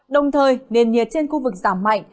đồng thời nền nhiệt trên khu vực giảm mạnh